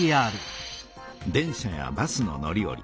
電車やバスの乗りおり。